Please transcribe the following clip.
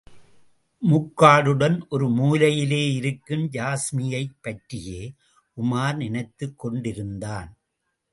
முக்காடுடன் ஒரு மூலையிலே இருக்கும் யாஸ்மியைப் பற்றியே உமார் நினைத்துக் கொண்டிருந்தான்.